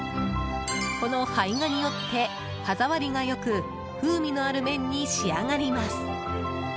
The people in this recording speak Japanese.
この胚芽によって、歯触りが良く風味のある麺に仕上がります。